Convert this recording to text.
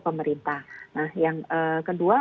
pemerintah nah yang kedua